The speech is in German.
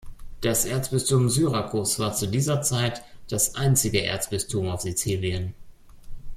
Das Erzbistum Syrakus war zu dieser Zeit das einzige Erzbistum auf Sizilien.